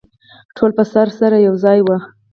ټول به سره یوځای وو.